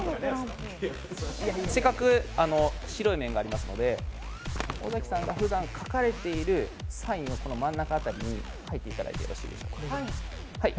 せっかく白い面がありますので、尾崎さんがふだん書かれているサインをこの真ん中辺りに書いていただいてもよろしいでしょうか。